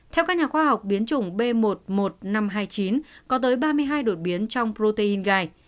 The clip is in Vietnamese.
theo các nhà khoa học biến chủng b một mươi một nghìn năm trăm hai mươi chín có tới ba mươi hai đột biến trong protein gai